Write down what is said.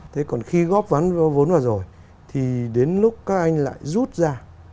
thế còn khi góp vốn vào rồi thì đến lúc các anh lại rút ra